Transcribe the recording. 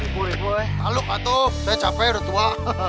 kaluh katuk saya capek sudah tua